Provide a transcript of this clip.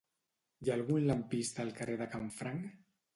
Hi ha algun lampista al carrer de Canfranc?